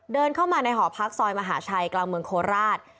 เดินเข้ามาในหอพักซอยมหาชัยกลางเมืองโคราช